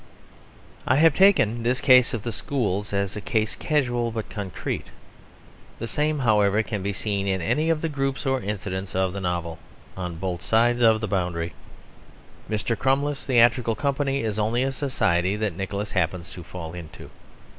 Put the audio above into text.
I have taken this case of the schools as a case casual but concrete. The same, however, can be seen in any of the groups or incidents of the novels on both sides of the boundary. Mr. Crummles's theatrical company is only a society that Nicholas happens to fall into.